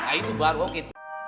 nah itu baru oke